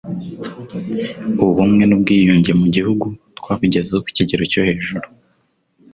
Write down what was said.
ubumwe n ubwiyunge mu gihugu twabugezeho kukigero cyo hejuru